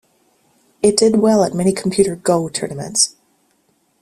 It did well at many computer Go tournaments.